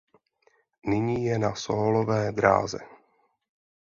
Nyní je na sólové dráze.